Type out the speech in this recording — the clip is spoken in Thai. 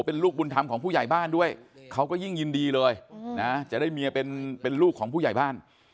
เป็นลูกบุญธรรมของผู้ใหญ่บ้านด้วยเขาก็ยิ่งยินดีเลยนะจะได้เมียเป็นลูกของผู้ใหญ่บ้าน